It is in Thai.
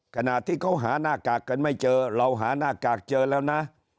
ขณะที่เขาหาหน้ากากกันไม่เจอเราหาหน้ากากเจอแล้วนะ